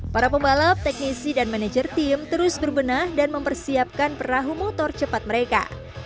para pembalap teknisi dan manajer tim terus berbenah dan mempersiapkan perahu motor cepat mereka